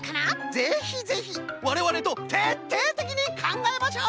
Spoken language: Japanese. ぜひぜひわれわれとてっていてきにかんがえましょう！